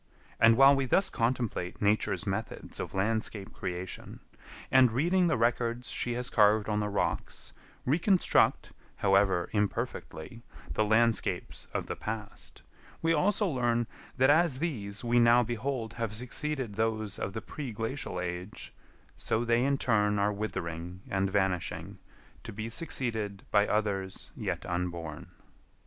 And while we thus contemplate Nature's methods of landscape creation, and, reading the records she has carved on the rocks, reconstruct, however imperfectly, the landscapes of the past, we also learn that as these we now behold have succeeded those of the pre glacial age, so they in turn are withering and vanishing to be succeeded by others yet unborn.